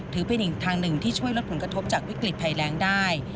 ถือเป็นอีกทางหนึ่งที่ช่วยลดผลกระทบจากวิกฤตภัยแรงได้